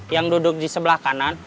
yang duduk di sebelah kanan